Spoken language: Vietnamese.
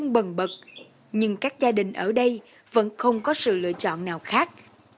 bần bật nhưng các gia đình ở đây vẫn không có sự lựa chọn nào khác